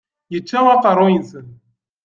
Yečča aqerruy-nsen.